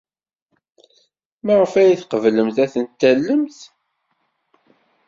Maɣef ay tqeblemt ad tent-tallemt?